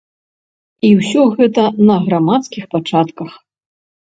І ўсё гэта на грамадскіх пачатках.